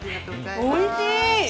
おいしい！